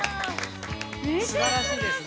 すばらしいですね。